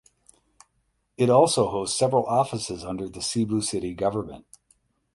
It also hosts several offices under the Cebu City Government.